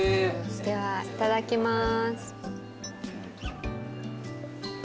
ではいただきます。